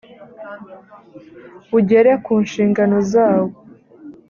ugere ku nshingano zawo